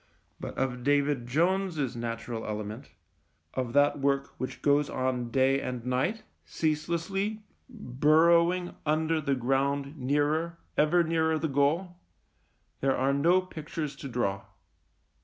But of David Jones's natural element, of that work which goes on day and night, cease lessly, burrowing under the ground nearer, ever nearer, the goal, there are no pictures to draw.